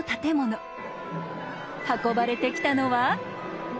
運ばれてきたのは。